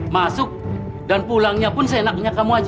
masuk dan pulangnya pun seenaknya kamu aja